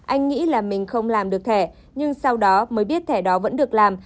anh nghĩ là mình không làm được thẻ nhưng sau đó mới biết thẻ đó vẫn được làm